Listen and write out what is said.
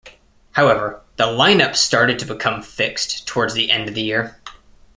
However, the lineup started to become fixed towards the end of the year.